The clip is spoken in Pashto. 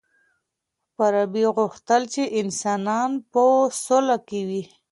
فارابي غوښتل چی انسانان په سوله کي وي.